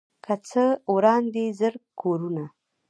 څه که وران دي زر کورونه